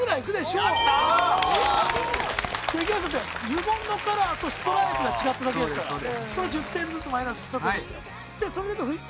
ズボンのカラーとストライプが違っただけですからそれを１０点ずつマイナスしたとして。